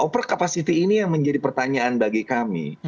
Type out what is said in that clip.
pasifikasi ini yang menjadi pertanyaan bagi kami